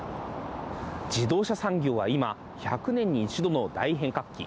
自動車産業は今、１００年に１度の大変革期。